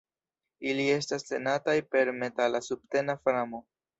Ili estas tenataj per metala subtena framo.